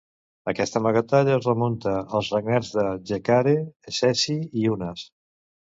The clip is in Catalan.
Aquest amagatall es remunta als regnats de Djedkare Isesi i Unas.